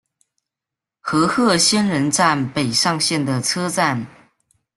和贺仙人站北上线的车站。